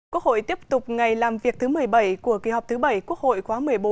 quốc hội tiếp tục ngày làm việc thứ một mươi bảy của kỳ họp thứ bảy quốc hội khóa một mươi bốn